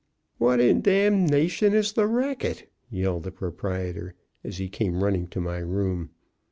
"What in damnation is the racket!" yelled the proprietor, as he came running to my room.